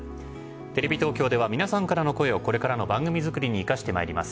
テレビ東京では皆さんからの声をこれからの番組作りに活かしてまいります。